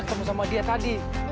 ketemu sama dia tadi